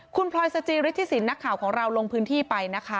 คุณพรอยสจิริฐศิลป์นักข่าวลงพื้นที่ไป